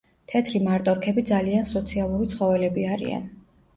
თეთრი მარტორქები ძალიან სოციალური ცხოველები არიან.